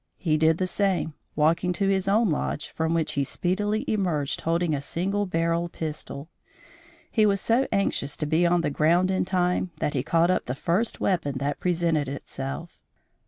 He did the same, walking to his own lodge, from which he speedily emerged holding a single barrel pistol. He was so anxious to be on the ground in time, that he caught up the first weapon that presented itself.